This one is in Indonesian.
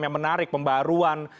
yang menarik pembaruan